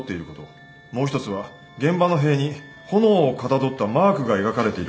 もう一つは現場の塀に炎をかたどったマークが描かれていること。